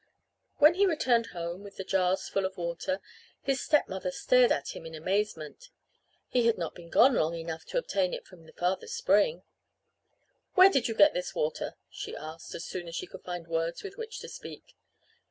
When he returned home with the jars full of water his stepmother stared at him in amazement. He had not been gone long enough to obtain it from the farther spring. "Where did you get this water?" she asked, as soon as she could find words with which to speak.